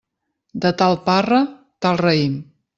De tal parra, tal raïm.